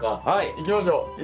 いきましょう。